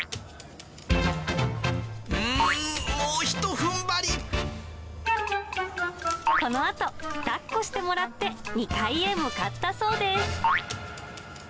うーん、このあと、だっこしてもらって２階へ向かったそうです。